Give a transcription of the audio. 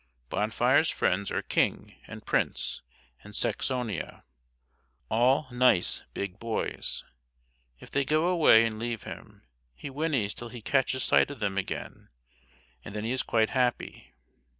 Bonfire's friends are King, and Prince, and Saxonia, all nice big boys. If they go away and leave him, he whinnies till he catches sight of them again, and then he is quite happy.